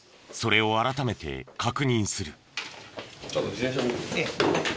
それを改めて確認する。